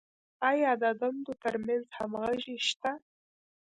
آیا د دندو تر منځ همغږي شته؟